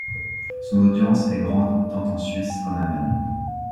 Son audience est grande, tant en Suisse qu'en Allemagne.